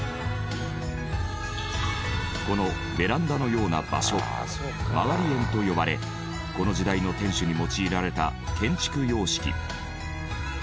このベランダのような場所廻縁と呼ばれこの時代の天守に用いられた建築様式。